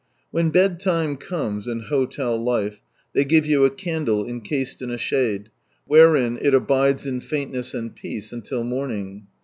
When bedtime comes, in hotel life, they give you a candle encased in a shade, wherein it abides in faintness and peace, until morning.